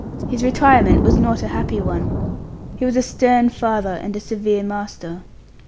His retirement was not a happy one. He was a stern father and a severe master.